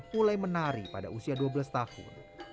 mulai menari pada usia dua belas tahun